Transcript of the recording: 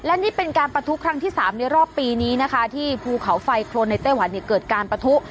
และนี่เป็นการประทุครั้งที่๓ในรอบปีนี้นะคะที่ภูเขาไฟโครนในไต้หวันเนี่ยเกิดการปะทุ